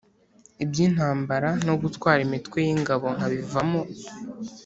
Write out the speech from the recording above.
ibyintambara no gutwara imitwe yingabo nkabivamo"